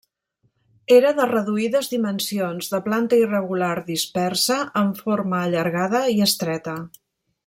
Era de reduïdes dimensions, de planta irregular dispersa amb forma allargada i estreta.